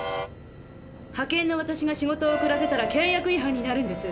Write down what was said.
派けんの私が仕事をおくらせたら契約違反になるんです。